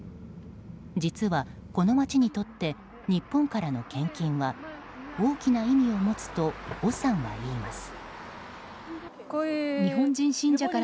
実はこの町にとって日本からの献金は大きな意味を持つとオさんは言います。